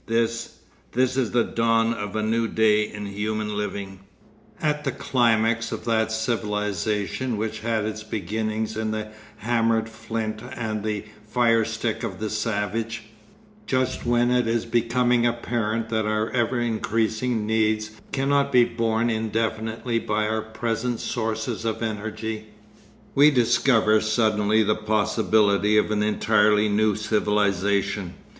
This—this is the dawn of a new day in human living. At the climax of that civilisation which had its beginning in the hammered flint and the fire stick of the savage, just when it is becoming apparent that our ever increasing needs cannot be borne indefinitely by our present sources of energy, we discover suddenly the possibility of an entirely new civilisation.